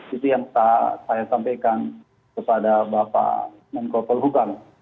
itu yang saya sampaikan kepada bapak menko polhukam